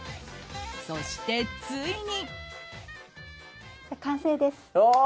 そして、ついに。